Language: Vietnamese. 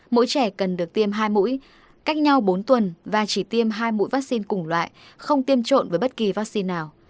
mỗi trẻ cần được tiêm hai mũi cách nhau bốn tuần và chỉ tiêm hai mũi vaccine cùng loại không tiêm trộn với bất kỳ vaccine nào